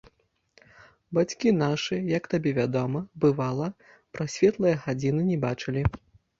Бацькі нашы, як табе вядома, бывала, прасветлае гадзіны не бачылі.